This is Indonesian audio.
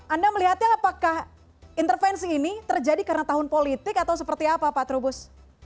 anda melihatnya apakah intervensi ini terjadi karena tahun politik atau seperti apa pak trubus